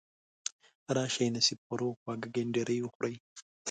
راشئ نصیب خورو خواږه کنډیري وخورئ.